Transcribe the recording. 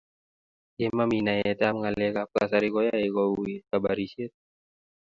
ye mami naet ab ngalek ab kasari koae kouit kabarishiet